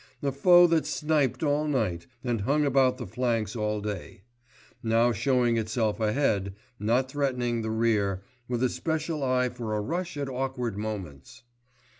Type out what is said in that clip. A foe that sniped all night, and hung about the flanks all day; now showing itself ahead; not threatening the rear, with a special eye for a rush at awkward moments.